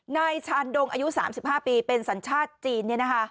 นายชานดงอายุ๓๕ปีเป็นสัญชาติจีน